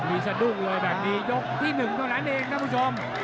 มีสะดุกเลยแบบนี้ยกที่๑ก็นั้นเองนะผู้ชม